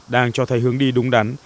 đang cho thầy hướng đi đúng đắn